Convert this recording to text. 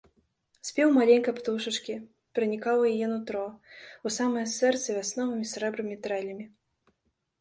Спеў маленькай птушачкі пранікаў у яе нутро, у самае сэрца вясновымі срэбнымі трэлямі.